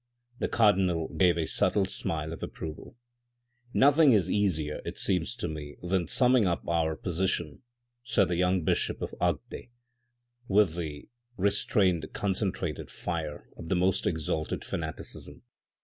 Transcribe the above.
" The cardinal gave a subtle smile of approval. " Nothing is easier it seems to me than summing up our position," said the young bishop of Agde, with the restrained concentrated fire of the most exalted fanaticism.